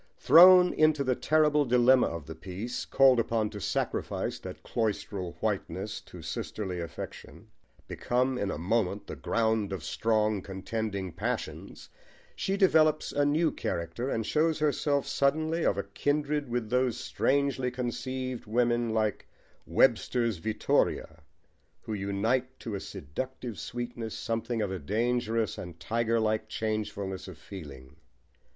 Thrown into the terrible dilemma of the piece, called upon to sacrifice that cloistral whiteness to sisterly affection, become in a moment the ground of strong, contending passions, she develops a new character and shows herself suddenly of kindred with those strangely conceived women, like Webster's Vittoria, who unite to a seductive sweetness something of a dangerous and tigerlike changefulness of feeling.